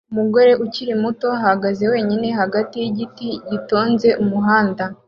Umugore ukiri muto ahagaze wenyine hagati yigiti gitonze umuhanda